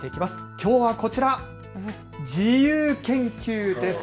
きょうはこちら、自由研究です。